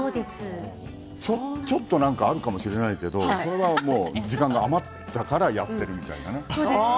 ちょっとなんかあるかもしれないけどそれは時間が余ったからやっているみたいなね。